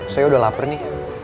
saya udah lapar nih